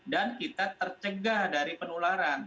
dan kita tercegah dari penularan